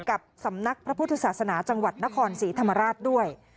กับสำนักพระพุทธศาสนาจังหวัดนครศรีธรรมราชด้วย